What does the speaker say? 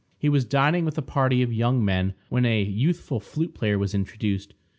He was dining with a party of young men, when a youthful flute player was introduced.